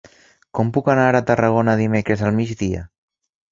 Com puc anar a Tarragona dimecres al migdia?